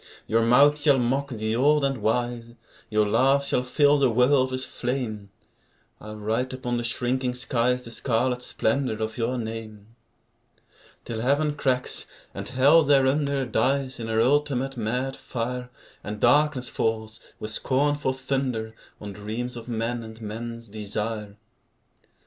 Your mouth shall mock the old and wise, Your laugh shall fill the world with flame, I'll write upon the shrinking skies The scarlet splendour of your name, Till Heaven cracks, and Hell thereunder Dies in her ultimate mad fire, And darkness falls, with scornful thunder, On dreams of men and men's desire.